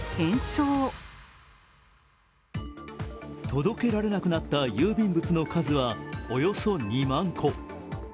届けられなくなった郵便物の数はおよそ２万個。